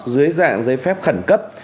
dưới dạng giấy phép khẩn cấp